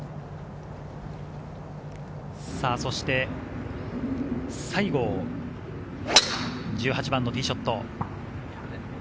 そして西郷、１８番のティーショット。